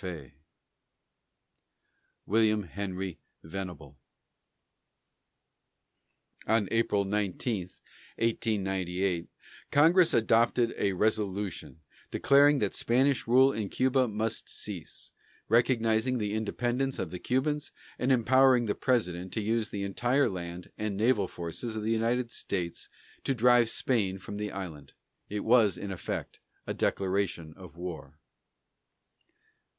WILLIAM HENRY VENABLE. On April 19, 1898, Congress adopted a resolution declaring that Spanish rule in Cuba must cease, recognizing the independence of the Cubans, and empowering the President to use the entire land and naval forces of the United States to drive Spain from the island. It was, in effect, a declaration of war.